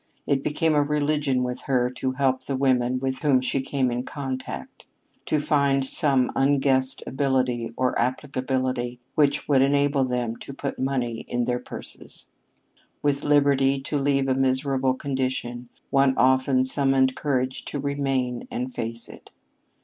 It became a religion with her to help the women with whom she came in contact, to find some unguessed ability or applicability which would enable them to put money in their purses. With liberty to leave a miserable condition, one often summoned courage to remain and face it.